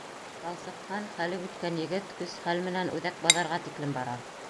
Талсыҡҡан, хәле бөткән егет көс-хәл менән үҙәк баҙарға тиклем бара.